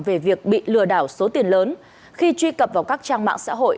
về việc bị lừa đảo số tiền lớn khi truy cập vào các trang mạng xã hội